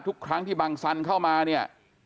ทุกครั้งที่บังสันเข้ามาเนี่ย